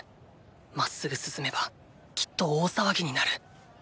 まっすぐ進めばきっと大騒ぎになる。